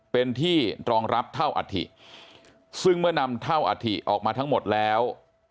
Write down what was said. เป็นที่รองรับเท่าอัฐิซึ่งเมื่อนำเท่าอัฐิออกมาทั้งหมดแล้ว